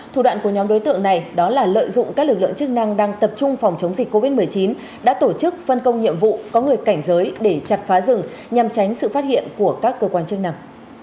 thủ đoạn của nhóm đối tượng này đó là lợi dụng các lực lượng chức năng đang tập trung phòng chống dịch covid một mươi chín đã tổ chức phân công nhiệm vụ có người cảnh giới để chặt phá rừng nhằm tránh sự phát hiện của các cơ quan chức năng